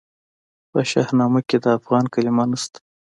په شاهنامه کې د افغان کلمه نسته.